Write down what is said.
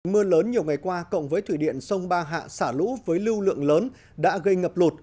mưa lớn nhiều ngày qua cộng với thủy điện sông ba hạ xả lũ với lưu lượng lớn đã gây ngập lụt